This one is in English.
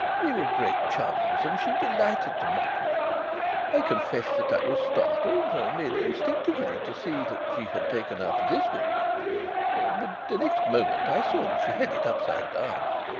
We were great chums, and she delighted to mock me. I confess that I was startled merely instinctively to see that she had taken up this book, but the next moment I saw that she had it upside down."